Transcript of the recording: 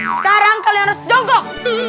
sekarang kalian harus jongkok